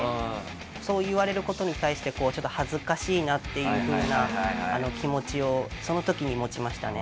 そう言われる事に対してちょっと恥ずかしいなっていうふうな気持ちをその時に持ちましたね。